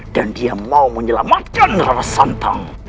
dan dia mau menyelamatkan rara santang